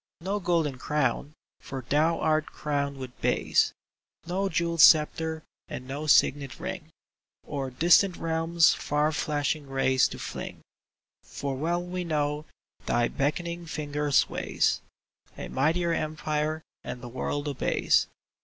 No golden crown, for thou art crowned with bays ; No jewelled sceptre, and no signet ring, O'er distant realms far flashing rays to fling ; For well we know thy beckoning finger sways A mightier empire, and the world obeys.